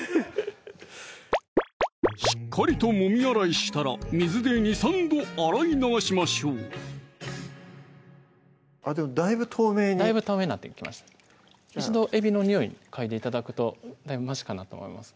しっかりともみ洗いしたら水で２３度洗い流しましょうでもだいぶ透明にだいぶ透明になってきました一度えびのにおいかいで頂くとだいぶましかなと思います